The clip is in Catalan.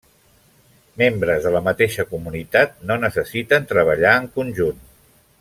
Membres de la mateixa comunitat no necessiten treballar en conjunt.